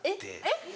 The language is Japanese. えっ。